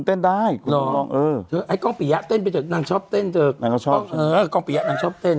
เออกล้องเปียกนางชอบเต้นนางเต้นป่ะ